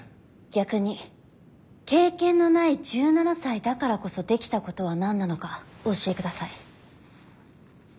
逆に経験のない１７才だからこそできたことは何なのかお教えください。